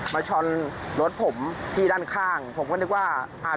มาชนรถผมที่ด้านข้างผมก็นึกว่าอ่า